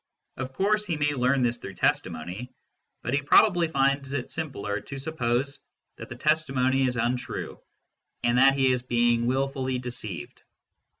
Of course he may learn this through testimony, but he SENSE DATA AND PHYSICS 179 probably finds it simpler to suppose that the testimony is untrue and that he is being wilfully deceived.